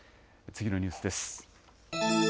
次のニュースです。